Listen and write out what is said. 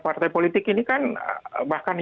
partai politik ini kan bahkan